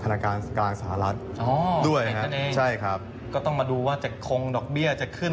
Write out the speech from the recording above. นาการกลางสหรัฐด้วยฮะใช่ครับก็ต้องมาดูว่าจะคงดอกเบี้ยจะขึ้น